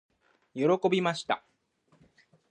喜びました。